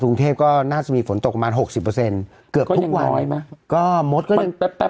สูงเทพก็น่าจะมีฝนตกประมาณ๖๐